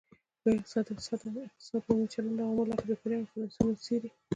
لوی اقتصاد د اقتصاد عمومي چلند او عوامل لکه بیکاري او انفلاسیون څیړي